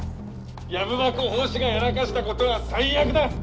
藪箱法師がやらかしたことは最悪だッ！